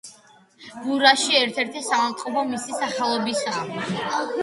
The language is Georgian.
ბურსაში ერთ-ერთი საავადმყოფო მისი სახელობისაა.